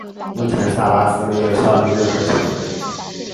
目前萨拉斯没有效力任何球队。